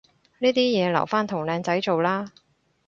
呢啲嘢留返同靚仔做啦